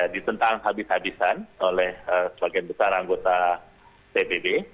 ditentang habis habisan oleh sebagian besar anggota pbb